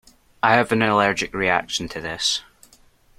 I have an allergic reaction to this.